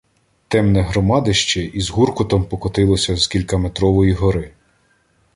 темне громадище із гуркотом покотилося з кількаметрової гори.